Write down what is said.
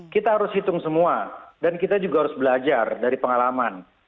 kita harus hitung semua dan kita juga harus belajar dari pengalaman